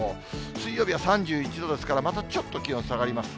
水曜日は３１度ですから、またちょっと気温下がります。